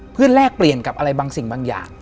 เพื่อแลกเปลี่ยนกับอะไรบางสิ่งบางอย่าง